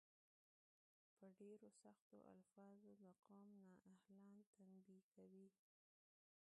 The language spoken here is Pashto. په ډیرو سختو الفاظو د قوم نا اهلان تنبیه کوي.